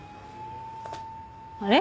あれ？